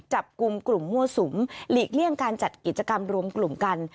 จับกลุ่มกลุ่มมั่วสุมหลีกเลี่ยงการจัดกิจกรรมรวมกลุ่มกัน